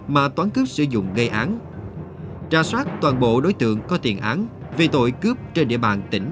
mà toán cướp sử dụng gây án trà soát toàn bộ đối tượng có thiện án vì tội cướp trên địa bàn tỉnh